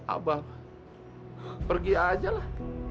abah pergi aja lah